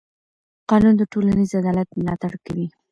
قانون د ټولنیز عدالت ملاتړ کوي.